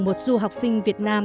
một du học sinh việt nam